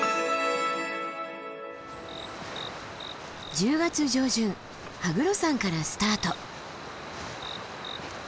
１０月上旬羽黒山からスタート。